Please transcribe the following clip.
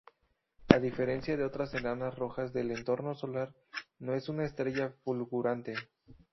A diferencia de otras enanas rojas del entorno solar, no es una estrella fulgurante.